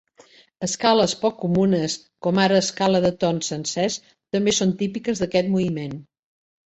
Escales poc comunes, com ara l'escala de tons sencers també són típiques d'aquest moviment.